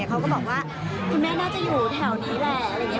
เขาก็บอกว่าคุณแม่น่าจะอยู่แถวนี้แหละ